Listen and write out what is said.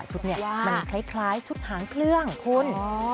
ชุดนี้มันคล้ายชุดหางเครื่องคุณ